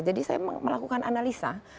jadi saya melakukan analisa